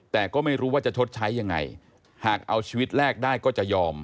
แต่ก็ไม่รู้ว่าจะชดใช้ยังไงหากเอาชีวิตแรกได้ก็จะยอม